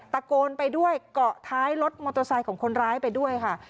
ตะโกนไปด้วยเกาะท้ายรถมอเตอร์ไซค์ของคนร้ายไปด้วยค่ะ